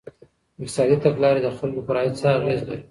اقتصادي تګلاري د خلګو پر عايد څه اغېز لري؟